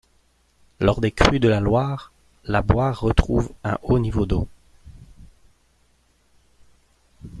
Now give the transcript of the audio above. Lors des crues de la Loire, la boire retrouve un haut niveau d'eau.